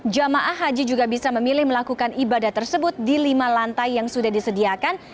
jamaah haji juga bisa memilih melakukan ibadah tersebut di lima lantai yang sudah disediakan